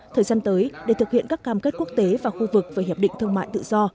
thời gian tới để thực hiện các cam kết quốc tế và khu vực về hiệp định thương mại tự do